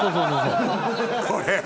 これ！